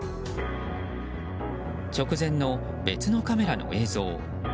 直前の別のカメラの映像。